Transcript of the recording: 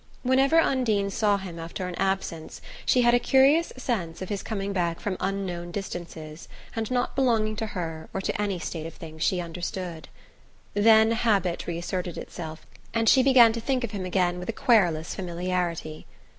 Whenever Undine saw him after an absence she had a curious sense of his coming back from unknown distances and not belonging to her or to any state of things she understood. Then habit reasserted itself, and she began to think of him again with a querulous familiarity.